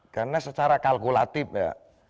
karena secara kalkulatif ya